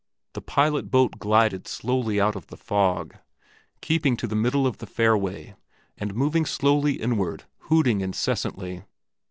The pilot boat glided slowly out of the fog, keeping to the middle of the fairway, and moving slowly inward hooting incessantly.